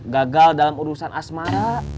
gagal dalam urusan asmara